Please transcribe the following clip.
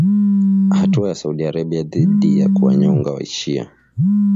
Hatua ya Saudi Arabia dhidi ya kuwanyonga washia